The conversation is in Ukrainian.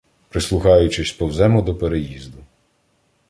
Прислухаючись, повземо до переїзду.